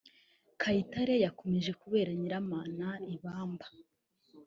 Kayitare yakomeje kubera Nyiramana ibamba